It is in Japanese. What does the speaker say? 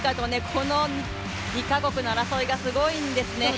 この２か国の争いがすごいんですね